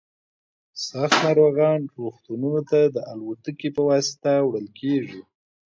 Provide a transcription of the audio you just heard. سخت ناروغان روغتونونو ته د الوتکې په واسطه وړل کیږي